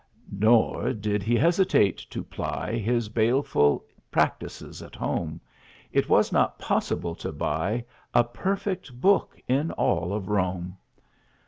Nor did he hesitate to ply His baleful practices at home; It was not possible to buy A perfect book in all of Rome!